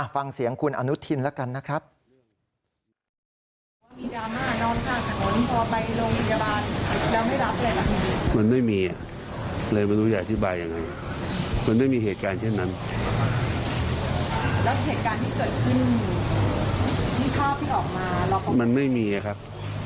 ฟังเสียงคุณอนุทินแล้วกันนะครับ